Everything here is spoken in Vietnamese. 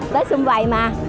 tới xung quầy mà